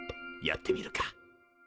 やってみるか？